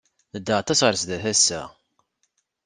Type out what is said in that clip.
Nedda aṭas ɣer sdat ass-a.